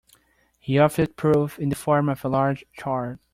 He offered proof in the form of a large chart.